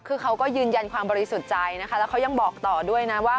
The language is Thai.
คือเขาก็ยืนยันความบริสุทธิ์ใจนะคะแล้วเขายังบอกต่อด้วยนะว่า